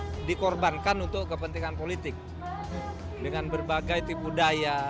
karena korektur hal ini harus dirembankan untuk kepentingan politik dengan berbagai tipu daya